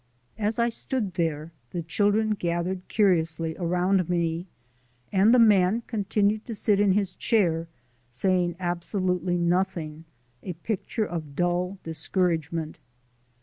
As I stood there the children gathered curiously around me, and the man continued to sit in his chair, saying absolutely nothing, a picture of dull discouragement.